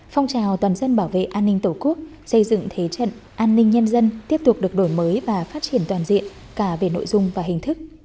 phong trào toàn dân bảo vệ an ninh tổ quốc xây dựng thế trận an ninh nhân dân tiếp tục được đổi mới và phát triển toàn diện cả về nội dung và hình thức